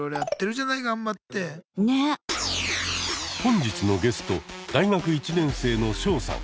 本日のゲスト大学１年生のショウさん。